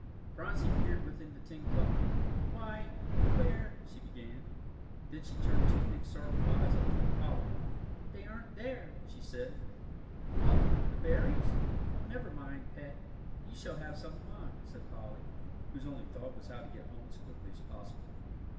Phronsie peered within the tin cup. "Why where " she began. Then she turned two big sorrowful eyes up toward Polly. "They aren't there," she said. "What the berries? Oh, never mind, Pet, you shall have some of mine," said Polly, whose only thought was how to get home as quickly as possible.